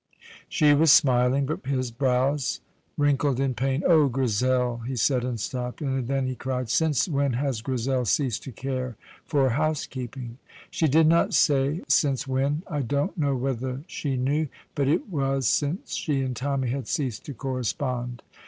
She was smiling, but his brows wrinkled in pain. "Oh, Grizel!" he said, and stopped. And then he cried, "Since when has Grizel ceased to care for housekeeping?" She did not say since when. I don't know whether she knew; but it was since she and Tommy had ceased to correspond.